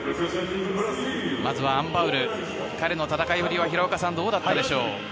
まず、アン・バウル彼の戦いぶりは平岡さん、どうだったでしょう？